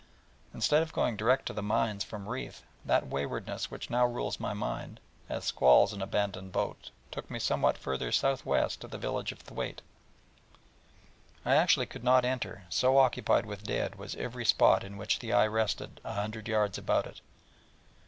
Instead of going direct to the mines from Reeth, that waywardness which now rules my mind, as squalls an abandoned boat, took me somewhat further south west to the village of Thwaite, which I actually could not enter, so occupied with dead was every spot on which the eye rested a hundred yards about it.